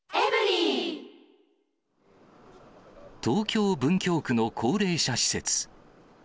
東京・文京区の高齢者施設。